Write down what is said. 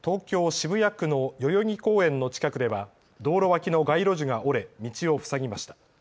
渋谷区の代々木公園の近くでは道路脇の街路樹が折れ道を塞ぎました。